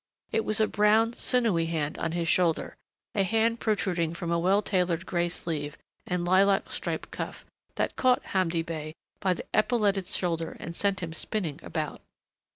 It was a brown, sinewy hand on his shoulder, a hand protruding from a well tailored gray sleeve and lilac striped cuff, that caught Hamdi Bey by the epauleted shoulder and sent him spinning about.